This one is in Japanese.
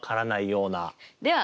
では